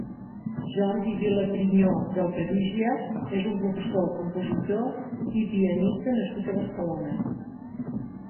Jordi Vilaprinyó Del Perugia és un professor, compositor i i pianista nascut a Barcelona.